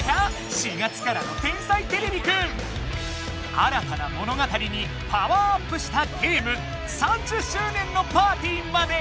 新たな物語にパワーアップしたゲーム３０周年のパーティーまで！